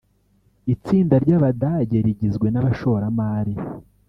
Itsinda ry’Abadage rigizwe n’abashoramari